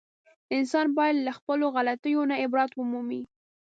انسان باید له خپلو غلطیو نه عبرت و مومي.